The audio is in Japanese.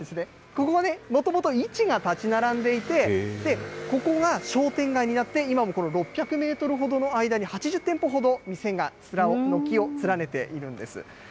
ここね、もともと市が立ち並んでいて、ここが商店街になって、今もこの６００メートルほどの間に８０店舗ほど店が軒を連ねているんです。